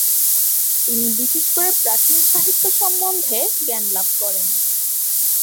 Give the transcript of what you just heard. তিনি বিশেষ করে প্রাচীন সাহিত্য সম্বন্ধে জ্ঞান লাভ করেন।